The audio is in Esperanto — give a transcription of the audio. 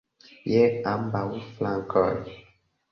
Je ambaŭ flankoj!